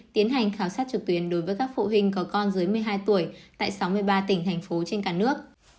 tiến hành khảo sát trực tuyến đối với các phụ huynh có con dưới một mươi hai tuổi tại sáu mươi ba tỉnh thành phố trên cả nước